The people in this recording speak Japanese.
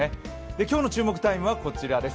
今日の注目タイムはこちらです。